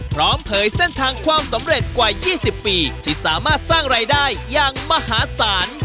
เผยเส้นทางความสำเร็จกว่า๒๐ปีที่สามารถสร้างรายได้อย่างมหาศาล